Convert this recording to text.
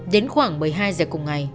đến khoảng một mươi hai h cùng ngày